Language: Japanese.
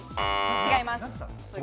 違います。